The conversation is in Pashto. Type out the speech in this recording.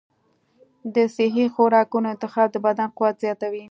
د صحي خوراکونو انتخاب د بدن قوت زیاتوي.